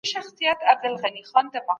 زه خپل کلي خوښوم.